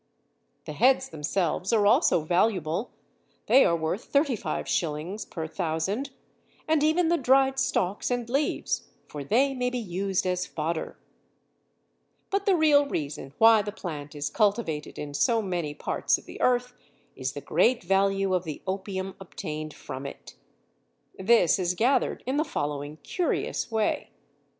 The heads themselves are also valuable (they are worth 35s. per thousand), and even the dried stalks and leaves, for they may be used as fodder. This is not quite certain. But the real reason why the plant is cultivated in so many parts of the earth is the great value of the opium obtained from it. This is gathered in the following curious way.